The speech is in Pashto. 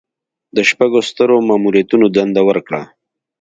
د شپږو سترو ماموریتونو دنده ورکړه.